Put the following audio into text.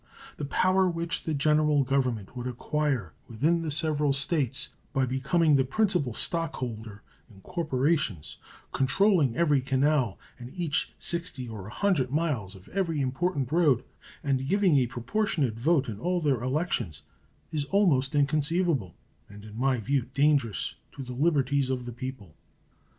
The power which the General Government would acquire within the several States by becoming the principal stock holder in corporations, controlling every canal and each 60 or 100 miles of every important road, and giving a proportionate vote in all their elections, is almost inconceivable, and in my view dangerous to the liberties of the people.